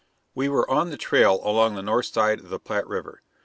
] We were on the trail along the north side of the Platte River.